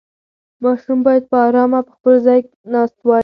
ماشوم باید په ارامه په خپل ځای ناست وای.